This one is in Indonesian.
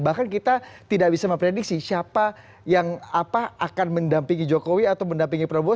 bahkan kita tidak bisa memprediksi siapa yang akan mendampingi jokowi atau mendampingi prabowo